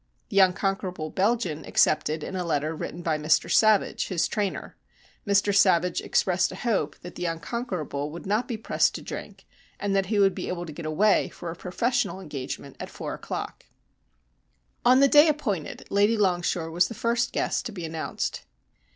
The Unconquerable Belgian accepted in a letter written by Mr Savage, his trainer. Mr Savage expressed a hope that the Unconquerable would not be pressed to drink, and that he would be able to get away for a professional engagement at four o'clock. On the day appointed, Lady Longshore was the first guest to be announced.